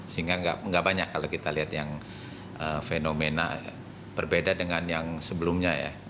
sehingga nggak banyak kalau kita lihat yang fenomena berbeda dengan yang sebelumnya ya